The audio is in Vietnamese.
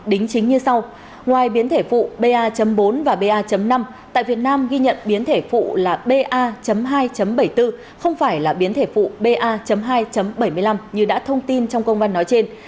đính chính như sau ngoài biến thể phụ ba bốn và ba năm tại việt nam ghi nhận biến thể phụ là ba hai bảy mươi bốn không phải là biến thể phụ ba hai bảy mươi năm như đã thông tin trong công văn nói trên